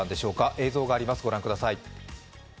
映像があります、ご覧ください。